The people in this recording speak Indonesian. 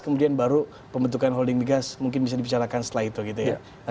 kemudian baru pembentukan holding migas mungkin bisa dibicarakan setelah itu gitu ya